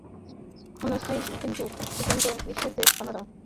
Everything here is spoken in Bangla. ক্ষণস্থায়ী কিন্তু প্রচণ্ড গ্রীষ্মের দেশ কানাডা এখন নিশ্চয়ই সুন্দর এবং খুব স্বাস্থ্যকর।